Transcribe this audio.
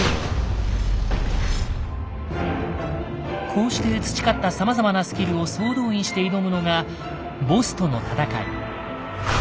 こうして培ったさまざまなスキルを総動員して挑むのがボスとの戦い。